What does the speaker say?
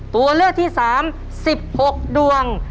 ตัวเลือกที่๓๑๖ดวง